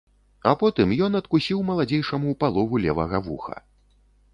А потым ён адкусіў маладзейшаму палову левага вуха.